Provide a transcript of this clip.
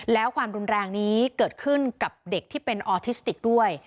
แล้วความรุนแรงนี้เกิดขึ้นกับเด็กที่เป็นออทิสติกด้วย